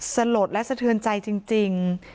สะหรับและสะเทินใจจริง